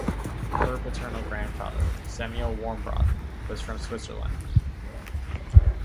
Her paternal grandfather, Samuel Warmbrodt, was from Switzerland.